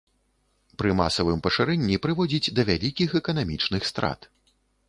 Пры масавым пашырэнні прыводзіць да вялікіх эканамічных страт.